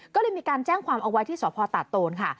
ก็เลยมีการแจ้งความเอาไว้ที่สพตาโตนค่ะ